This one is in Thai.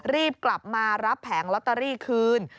รีบกลับมารับแผงลอตเตอรี่คืน